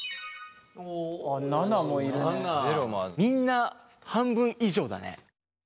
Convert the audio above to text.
みんな半分以上だね。